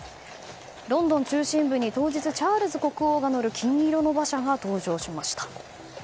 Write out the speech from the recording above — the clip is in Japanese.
ロンドン中心部に当日、チャールズ国王が乗る金色の馬車が到着しました。